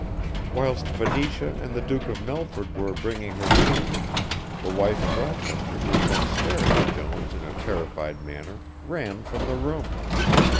Whilst Venetia and the Duke of Melford were bringing her to, the wife of Rochester who had been staring at Jones in a terrified manner ran from the room.